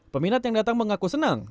peminat yang datang mengaku senang